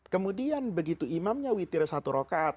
kemudian begitu imamnya witir satu rokaat